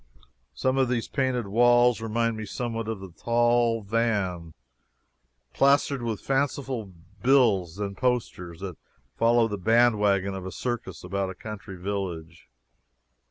Some of these painted walls reminded me somewhat of the tall van, plastered with fanciful bills and posters, that follows the bandwagon of a circus about a country village.